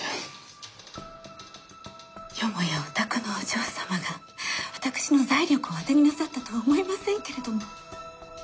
よもやお宅のお嬢様が私の財力を当てになさったとは思いませんけれども。